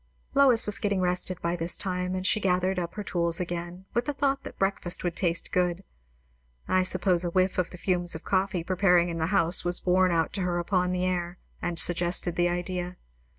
Lois was getting rested by this time, and she gathered up her tools again, with the thought that breakfast would taste good. I suppose a whiff of the fumes of coffee preparing in the house was borne out to her upon the air, and suggested the idea.